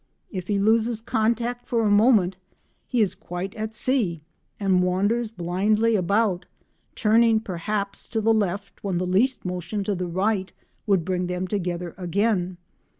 If he loses contact for a moment he is quite at sea and wanders blindly about, turning, perhaps, to the left when the least motion to the right would bring them together again.